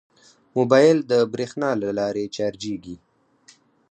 موبایل د بریښنا له لارې چارجېږي.